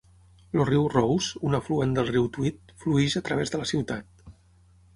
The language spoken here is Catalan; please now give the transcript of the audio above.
El riu Rous, un afluent del riu Tweed, flueix a través de la ciutat.